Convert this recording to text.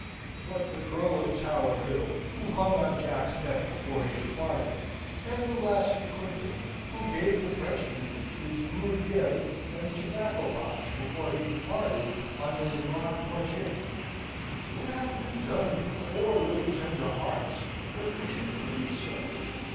But the girl of Tower Hill, who hung on Jack's neck before he departed; and the lass at Quimper, who gave the Frenchman his brule gueule and tobacco box before he departed on the noir trajet? What have you done, poor little tender hearts, that you should grieve so?